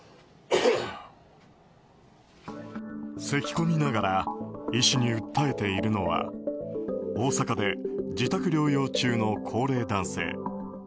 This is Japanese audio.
せき込みながら医師に訴えているのは大阪で自宅療養中の高齢男性。